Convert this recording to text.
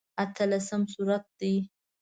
اتلسم سورت دی.